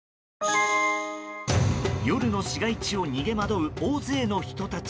夜の市街地を逃げ惑う大勢の人たち。